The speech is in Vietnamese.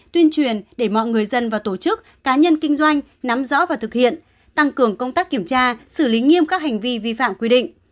tuyên truyền để mọi người dân và tổ chức cá nhân kinh doanh nắm rõ và thực hiện tăng cường công tác kiểm tra xử lý nghiêm các hành vi vi phạm quy định